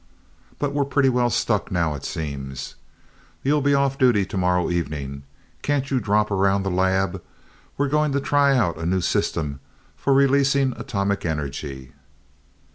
" but we're pretty well stuck now, it seems. You'll be off duty tomorrow evening, can't you drop around to the lab? We're going to try out a new system for releasing atomic energy."